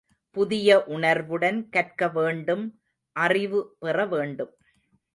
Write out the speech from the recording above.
புதிய உணர்வுடன் கற்க வேண்டும் அறிவு பெற வேண்டும்.